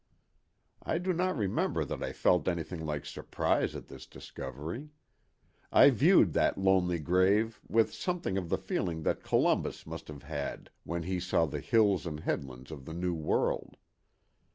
I do not remember that I felt anything like surprise at this discovery. I viewed that lonely grave with something of the feeling that Columbus must have had when he saw the hills and headlands of the new world.